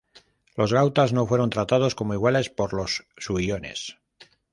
Los gautas no fueron tratados como iguales por los suiones.